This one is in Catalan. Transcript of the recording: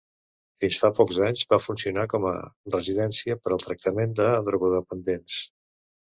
Fins fa pocs anys va funcionar com a residència per al tractament de drogodependents.